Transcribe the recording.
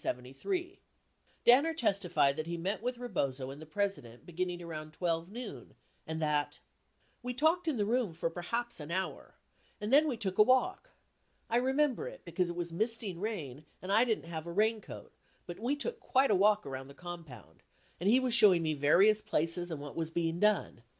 70 Danner testified that he met with Rebozo and the President beginning around 12 noon, and that :we talked in the room for perhaps an hour. And then we took a walk. I remember it, because it was misting rain, and I didn't have a raincoat, but we took quite a walk around the compound, and he was showing me various places and what was being done.